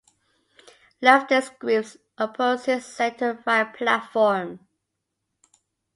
Leftist groups opposed his center-right platform.